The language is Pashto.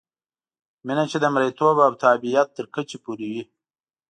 مینه چې د مریتوب او تابعیت تر کچې پورې وي.